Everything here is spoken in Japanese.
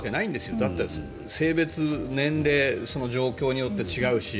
だって性別、年齢その状況によって違うし。